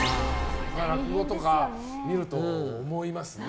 落語とか見ると思いますね。